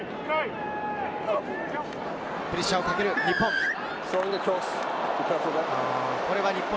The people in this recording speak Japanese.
プレッシャーをかける日本。